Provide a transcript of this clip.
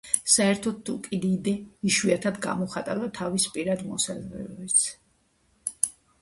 საერთოდ თუკიდიდე იშვიათად გამოხატავდა თავის პირად მოსაზრებებს.